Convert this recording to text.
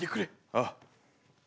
ああ。